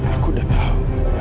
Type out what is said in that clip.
aku udah tau